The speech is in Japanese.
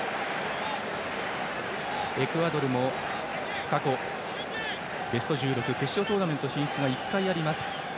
エクアドルも、過去ベスト１６決勝トーナメント進出が１回あります。